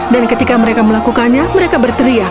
dan ketika mereka melakukannya mereka berteriak